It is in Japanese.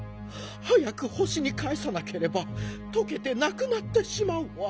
早く星にかえさなければとけてなくなってしまうわ。